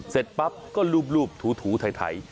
เสร็จปั๊บก็รูปถูไทย